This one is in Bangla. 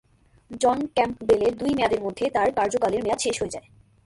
জন ক্যাম্পবেলের দুই মেয়াদের মধ্যে তার কার্যকালের মেয়াদ শেষ হয়ে যায়।